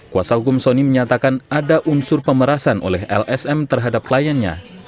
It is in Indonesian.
kuasa hukum sony menyatakan ada unsur pemerasan oleh lsm terhadap kliennya